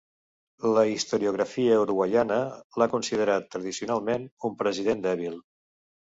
La historiografia uruguaiana l'ha considerat tradicionalment un president dèbil.